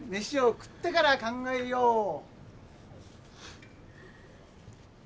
飯を食ってから考えよう。